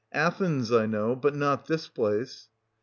Athens I know, but not this place.